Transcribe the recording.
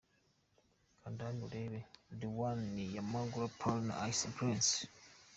Kanda hano urebe The One ya Magaly Pearl na Ice Prince.